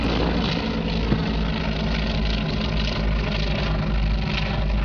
দরজা আপনা-আপনি বন্ধ হয়ে যায়।